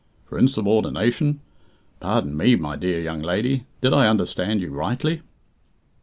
"For insubordination! Pardon me, my dear young lady, did I understand you rightly?"